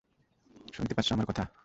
শুনতে পারছ আমার কথা?